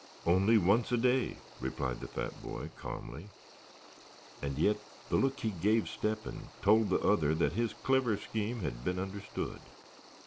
"Only once a day," replied the fat boy, calmly; and yet the look he gave Step hen told the other that his clever scheme had been understood.